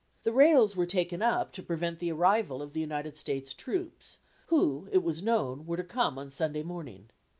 The rails were taken up, to prevent the arrival of the United States troops, who, it was known, were to come on Sunday morning.